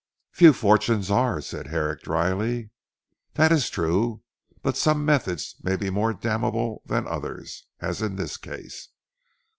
"Few fortunes are," said Herrick dryly. "That is true; but some methods may be more damnable than others, as in this case.